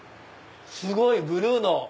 すごいブルーの！